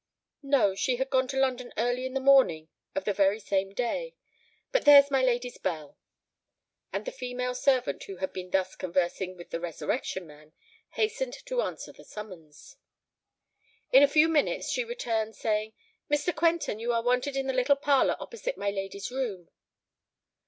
"No: she had gone to London early in the morning of the very same day. But there's my lady's bell." And the female servant who had been thus conversing with the Resurrection Man, hastened to answer the summons. In a few minutes she returned, saying, "Mr. Quentin, you are wanted in the little parlour opposite my lady's room."